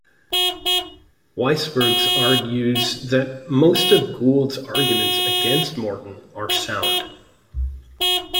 Weisberg argues that most of Gould's arguments against Morton are sound.